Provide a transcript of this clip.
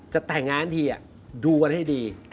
จะแต่งงานทีดูกันให้ดี